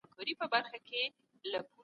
ګډ تړون د عصبیت یو له عواملو دی.